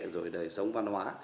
rồi đời sống văn hóa